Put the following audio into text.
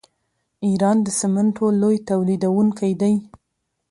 ایران د سمنټو لوی تولیدونکی دی.